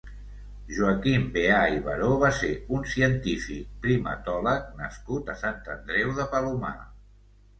Joaquim Veà i Baró va ser un científic primatòleg nascut a Sant Andreu de Palomar.